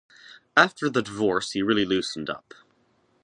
After the divorce, he really loosened up.